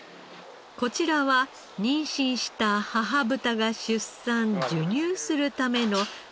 こちらは妊娠した母豚が出産授乳するための分娩舎です。